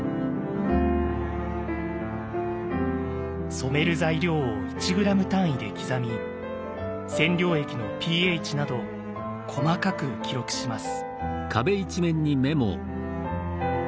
染める材料を１ｇ単位で刻み染料液のｐＨなど細かく記録します。